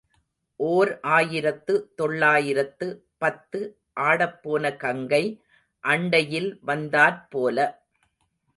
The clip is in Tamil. ஓர் ஆயிரத்து தொள்ளாயிரத்து பத்து ஆடப்போன கங்கை அண்டையில் வந்தாற் போல.